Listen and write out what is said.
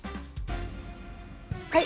はい！